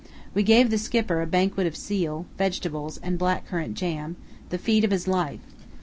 We gave the Skipper a banquet of seal, vegetables, and black currant jam, the feed of his life.